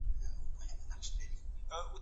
تقاضا باید د عرضې سره موازي وي.